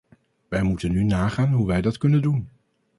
Wij moeten nu nagaan hoe wij dat kunnen doen.